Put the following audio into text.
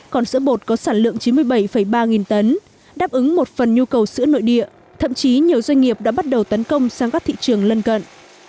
còn sữa bột có sản lượng chín mươi bảy ba nghìn tấn đáp ứng một phần nhu cầu sữa nội địa thậm chí nhiều doanh nghiệp đã bắt đầu tấn công sang các thị trường lân cận